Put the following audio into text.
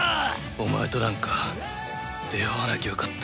お前となんか出会わなきゃよかった。